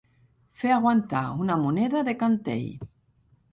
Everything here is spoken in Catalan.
Fer aguantar una moneda de cantell.